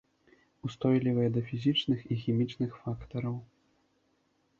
Устойлівыя да фізічных і хімічных фактараў.